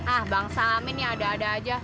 ah bang somin ya ada ada aja